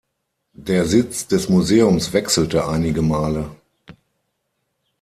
Der Sitz des Museums wechselte einige Male.